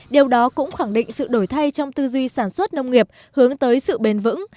điều đó cũng khẳng định sự đổi thay trong tư duy sản xuất nông nghiệp hướng tới sự bền vững